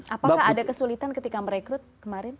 apakah ada kesulitan ketika merekrut kemarin